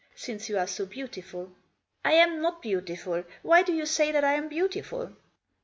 Since you are so beautiful." " I am not beautiful. Why do you say that I am beautiful?"